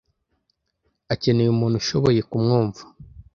Akeneye umuntu ushoboye kumwumva.